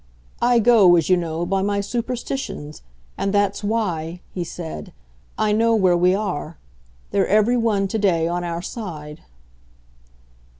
"I go, as you know, by my superstitions. And that's why," he said, "I know where we are. They're every one, to day, on our side."